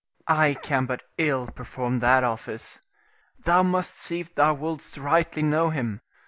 Rienzi. I can but ill perform that office. Thou must see if thou wouldst rightly know him.